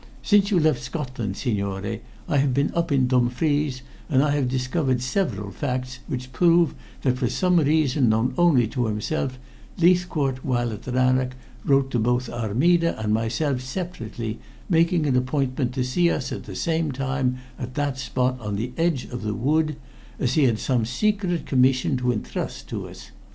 Since you left Scotland, signore, I have been up in Dumfries, and have discovered several facts which prove that for some reason known only to himself, Leithcourt, while at Rannoch, wrote to both Armida and myself separately, making an appointment to see us at the same time at that spot on the edge of the wood, as he had some secret commission to entrust to us.